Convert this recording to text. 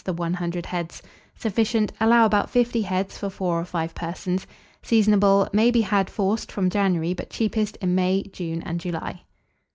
the 100 heads. Sufficient. Allow about 50 heads for 4 or 5 persons. Seasonable. May be had, forced, from January but cheapest in May, June, and July.